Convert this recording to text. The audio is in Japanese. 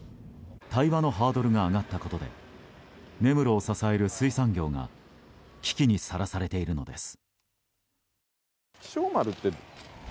対話のハードルが上がったことで根室を支える水産業が危機にさらされているのです。